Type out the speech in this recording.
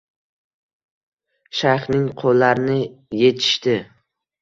Shayxning qo`llarini echishdi